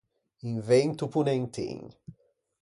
Un vento ponentin.